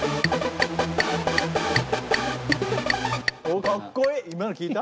おっかっこいい！